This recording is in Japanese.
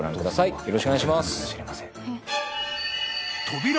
よろしくお願いします。